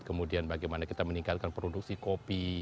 kemudian bagaimana kita meningkatkan produksi kopi